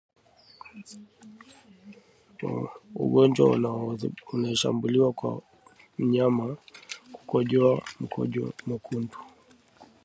ugonjwa unaotambuliwa kwa mnyama kukojoa mkojo mwekundu